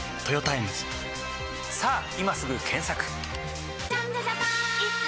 さぁ今すぐ検索！